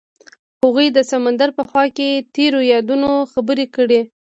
هغوی د سمندر په خوا کې تیرو یادونو خبرې کړې.